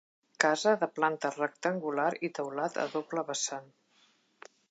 Casa de planta rectangular i teulat a doble vessant.